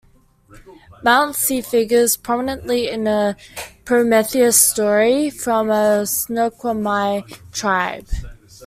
Mount Si figures prominently in a Prometheus story from the Snoqualmie tribe.